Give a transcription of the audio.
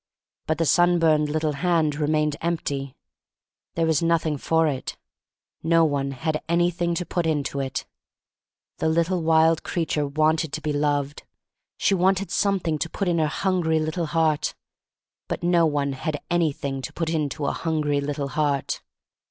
But the sunburned little hand re mained empty. There was nothing for it. No one had anything to put into it. The little wild creature wanted to be loved; she wanted something to put in her hungry little heart. But no one had anything to put into a hungry little heart.